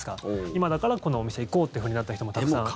今だから、このお店行こうってふうになった人もたくさん。